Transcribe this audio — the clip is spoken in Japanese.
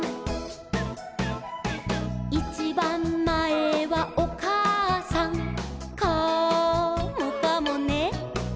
「いちばんまえはおかあさん」「カモかもね」